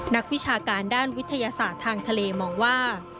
นักวิชาการด้านวิทยาศาสตร์ทางทะเลมองว่า